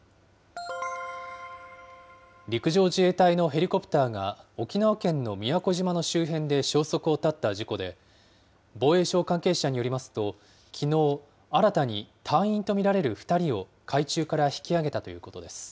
陸上自衛隊のヘリコプターが沖縄県の宮古島の周辺で消息を絶った事故で、防衛省関係者によりますと、きのう、新たに隊員と見られる２人を海中から引きあげたということです。